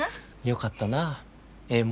よかったなええ